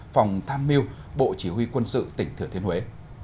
phòng tham mưu bộ chỉ huy quân sự tỉnh thừa thiên huế